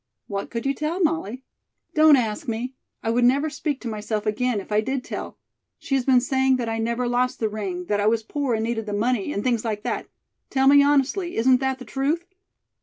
"What could you tell, Molly?" "Don't ask me. I would never speak to myself again, if I did tell. She has been saying that I never lost the ring, that I was poor and needed the money, and things like that. Tell me honestly, isn't that the truth?"